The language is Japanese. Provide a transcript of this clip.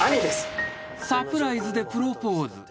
［サプライズでプロポーズ］